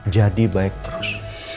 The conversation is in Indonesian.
jadi baik terus